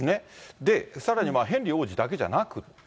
で、さらにヘンリー王子だけじゃなくって。